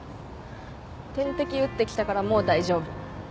点滴打ってきたからもう大丈夫。